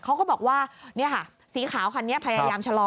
เขาก็บอกว่านี่ค่ะสีขาวคันนี้พยายามชะลอ